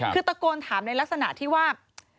คือตะโกนถามในลักษณะที่ว่า